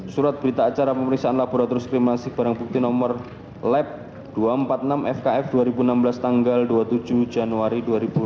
surat berita acara pemeriksaan laboratoris kriminasi barang bukti nomor lab dua ratus empat puluh enam fkf dua ribu enam belas tanggal dua puluh tujuh januari dua ribu delapan belas